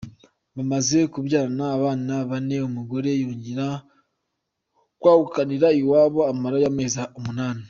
Bamaze kubyarana abana bane, umugore yongera kwahukanira iwabo, amarayo amezi umunani.